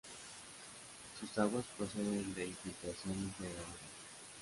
Sus aguas proceden de infiltraciones del Loira.